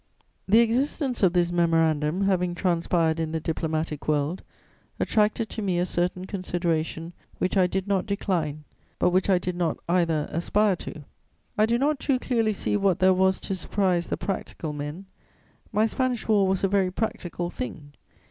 The existence of this Memorandum, having transpired in the diplomatic world, attracted to me a certain consideration which I did not decline, but which I did not either aspire to. I do not too clearly see what there was to surprise the "practical" men. My Spanish War was a very "practical" thing.